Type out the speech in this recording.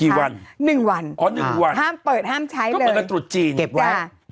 กี่วันอ๋อ๑วันค่ะต้องเปิดกระตุธจีนเก็บไว้